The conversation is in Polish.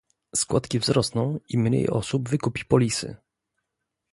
Składki wzrosną i mniej osób wykupi polisy